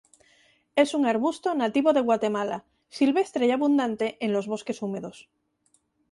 Es un arbusto nativo de Guatemala, silvestre y abundante en los bosques húmedos.